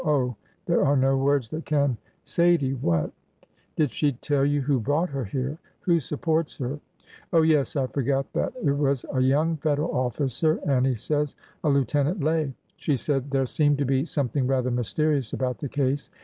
Oh h! there are no words that can —• Sadie !"■ "What?" '" Did she tell you who brought her here— who sup ^ ports her ?"" j " Oh, yes ; I forgot that. It was a young Federal offi ! cer, Annie says, — a Lieutenant Lay. She said there i seemed to be something rather mysterious about the case.